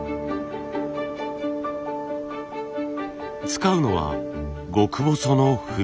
使うのは極細の筆。